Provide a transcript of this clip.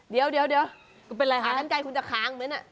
เดี๋ยวคุณจะค้างไหมเนี่ย